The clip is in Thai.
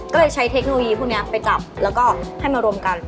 ก็เลยใช้เทคโนโลยีพวกนี้ไปจับแล้วก็ให้มารวมกัน